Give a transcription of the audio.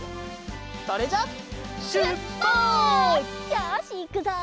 よしいくぞ！